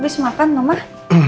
abis makan noh mah